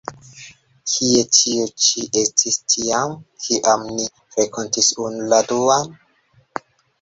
Kie tio ĉi estis tiam, kiam ni renkontis unu la duan?